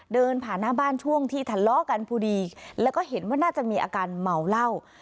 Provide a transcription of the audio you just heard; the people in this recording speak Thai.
เดินผ่านหน้าบ้านช่วงที่ทะเลาะกันพอดีแล้วก็เห็นว่าน่าจะมีอาการเมาเหล้า